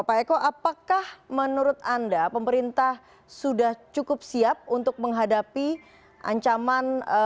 pak eko apakah menurut anda pemerintah sudah cukup siap untuk menghadapi ancaman